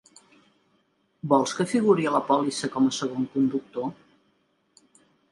Vols que figuri a la pòlissa com a segon conductor?